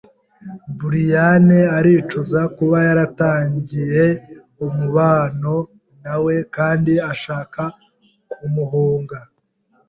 Brian aricuza kuba yaratangiye umubano na we kandi ashaka kumuhunga.